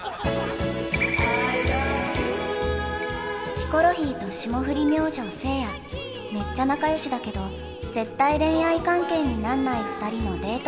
ヒコロヒーと霜降り明星・せいやめっちゃ仲良しだけど絶対恋愛関係になんない２人のデート